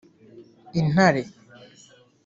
intare